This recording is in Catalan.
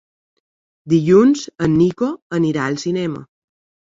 Dilluns en Nico anirà al cinema.